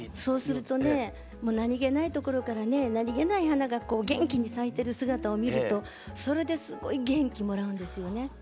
そうするとね何気ないところからね何気ない花が元気に咲いてる姿を見るとそれですごい元気もらうんですよね。